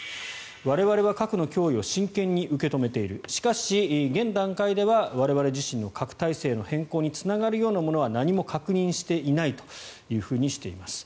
我々は核の脅威を真剣に受け止めているしかし、現段階では我々自身の核態勢の変更につながるようなものは何も確認していないとしています。